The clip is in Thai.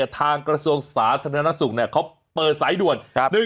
กระทรวงสาธารณสุขเขาเปิดสายด่วน